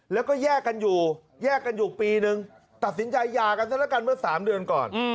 แล้วก็แยกกันอยู่แยกกันอยู่ปีนึงตัดสินใจหย่ากันซะละกันเมื่อ๓เดือนก่อน